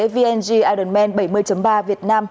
vng ironman bảy mươi ba việt nam